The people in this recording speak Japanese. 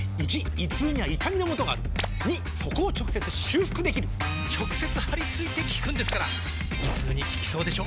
①胃痛には痛みのもとがある②そこを直接修復できる直接貼り付いて効くんですから胃痛に効きそうでしょ？